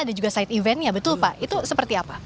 ada juga side eventnya betul pak itu seperti apa